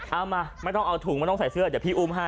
เอามาไม่ต้องเอาถุงไม่ต้องใส่เสื้อเดี๋ยวพี่อุ้มให้